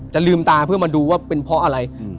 ลืมตาเพื่อมาดูว่าเป็นเพราะอะไร